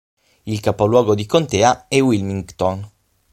Il capoluogo di contea è Wilmington.